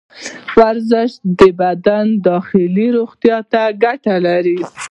ورزش د بدن داخلي روغتیا ته ګټه لري.